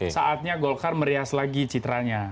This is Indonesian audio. saatnya golkar merias lagi citranya